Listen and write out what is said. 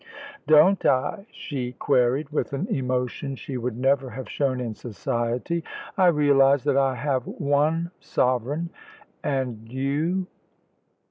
"Don't I?" she queried, with an emotion she would never have shown in society. "I realise that I have one sovereign; and you